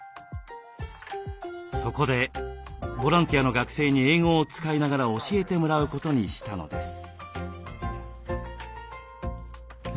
そこでボランティアの学生に英語を使いながら教えてもらうことにしたのです。